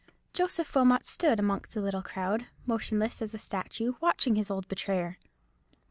Joseph Wilmot stood among the little crowd, motionless as a statue, watching his old betrayer.